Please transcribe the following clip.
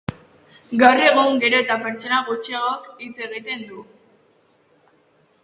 Gaur egun gero eta pertsona gutxiagok hitz egiten du.